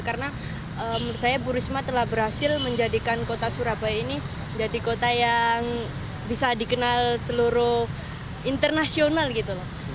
karena menurut saya burisma telah berhasil menjadikan kota surabaya ini jadi kota yang bisa dikenal seluruh internasional gitu loh